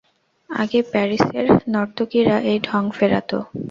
আগে প্যারিসের নর্তকীরা এই ঢঙ ফেরাত।